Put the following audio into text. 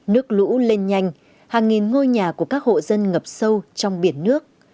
nước lũ lên nhanh hàng nghìn ngôi nhà của các hộ dân ngập sâu trong biển nước